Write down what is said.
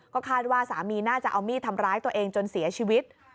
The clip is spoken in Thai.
ก็คาดว่าสามีน่าจะเอามีดทำร้ายตัวเองจนเสียชีวิต